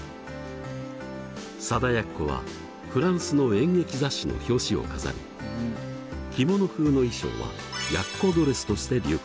貞奴はフランスの演劇雑誌の表紙を飾り着物風の衣装はＹＡＣＣＯドレスとして流行。